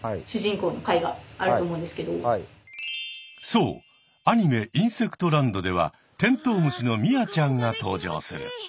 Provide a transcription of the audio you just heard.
そうアニメ「インセクトランド」ではテントウムシのミアちゃんが登場する。